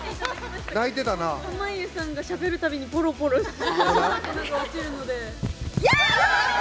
濱家さんがしゃべるたびにぼろぼろ粉が落ちるので。